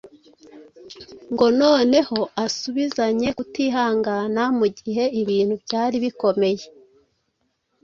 ngo noneho asubizanye kutihangana mu gihe ibintu byari bikomeye